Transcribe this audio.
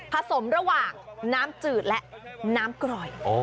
สมระหว่างน้ำจืดและน้ำกร่อย